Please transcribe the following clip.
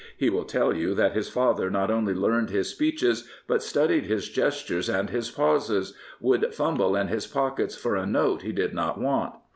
He will tell you that his father not only learned his speeches, but studied his gestures and his pauses, would fumble in his pockets for a note he did not want.